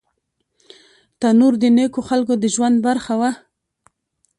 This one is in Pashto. تنور د نیکو خلکو د ژوند برخه وه